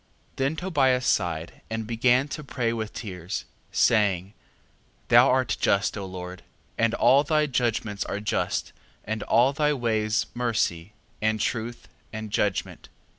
3:1. Then Tobias sighed, and began to pray with tears, 3:2. Saying, Thou art just, O Lord, and all thy judgments are just, and all thy ways mercy, and truth, and judgment: 3:3.